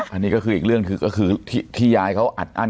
อันนี้ก็คืออีกเรื่องคือที่ยายเขาอัดอั้น